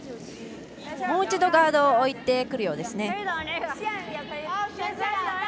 もう一度ガードを置いてくるようです。